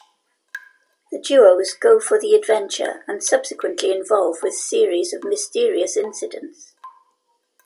The duos go for the adventure and subsequently involve with series of mysterious incidents.